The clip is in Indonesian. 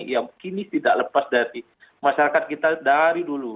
yang kini tidak lepas dari masyarakat kita dari dulu